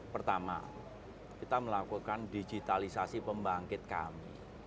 pertama kita melakukan digitalisasi pembangkit kami